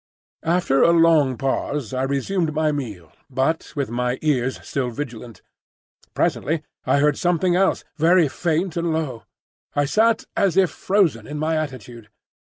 After a long pause I resumed my meal, but with my ears still vigilant. Presently I heard something else, very faint and low. I sat as if frozen in my attitude.